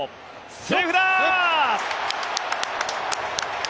セーフだ！